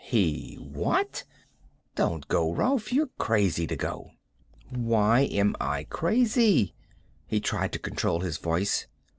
"He what? Don't go, Rolf. You're crazy to go." "Why am I crazy?" He tried to control his voice.